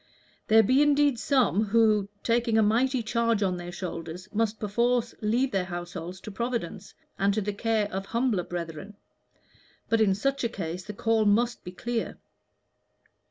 There be indeed some who, taking a mighty charge on their shoulder, must perforce leave their households to Providence, and to the care of humbler brethren, but in such a case the call must be clear."